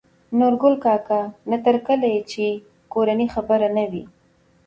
نورګل کاکا : نه تر کله يې چې کورنۍ خبره نه وي